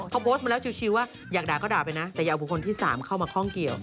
เขาโพสต์มาแล้วชิวว่าอยากด่าก็ด่าไปนะแต่อย่าเอาบุคคลที่๓เข้ามาคล่องเกี่ยว